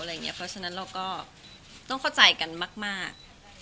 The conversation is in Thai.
เพราะฉะนั้นเราก็ต้องเข้าใจกันมาก